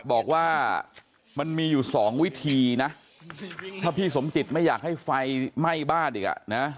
บอกว่ามันมีอยู่สองวิธีนะถ้าพี่สมจิตไม่อยากให้ไฟไหม้บ้านอีกอ่ะนะ